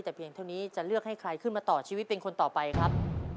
แต่เพียงเท่านี้จะเลือกให้ใครขึ้นมาต่อชีวิตเป็นคนต่อไปครับ